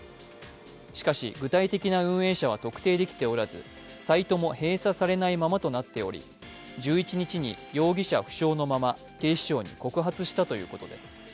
しかし、具体的な運営者は特定できておらずサイトも閉鎖されないままとなっており１１日に容疑者不詳のまま警視庁に告発したということです。